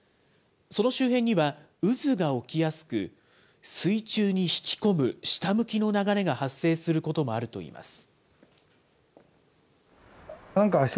その周辺には渦が起きやすく、水中に引き込む下向きの流れが発生することもあるといいます。